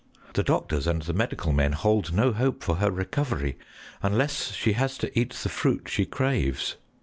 The doctors and the medical men hold no hope for her recovery unless she has to eat the fruit she craves.